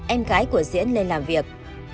em gái của diễn lên làm việc